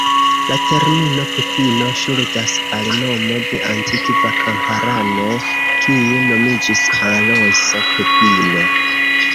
La termino "Pepino" ŝuldas al nomo de antikva kamparano kiu nomiĝis Alonso Pepino.